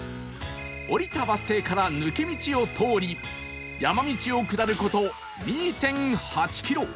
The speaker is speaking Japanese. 降りたバス停から抜け道を通り山道を下る事 ２．８ キロ